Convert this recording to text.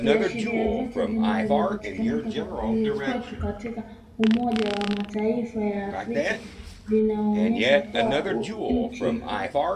Viashiria vyote vinavyopatikana kwetu katika umoja wa Mataifa ya Afrika vinaonyesha kuwa nchi iko kwenye hatari kubwa alisema mjumbe wa Umoja wa Afrika